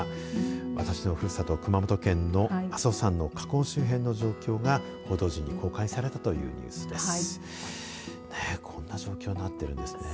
私のふるさと、熊本県の阿蘇山の火口周辺の状況が報道陣に公開されたというニュースです。